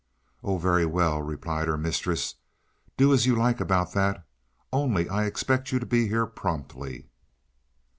"Oh, very well," replied her mistress. "Do as you like about that. Only I expect you to be here promptly."